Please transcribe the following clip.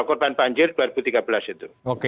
korban banjir dua ribu tiga belas itu